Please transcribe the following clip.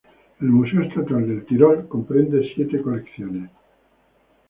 El museo estatal del Tirol comprende siete colecciones.